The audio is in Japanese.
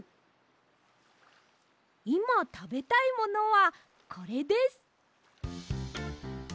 いまたべたいものはこれです。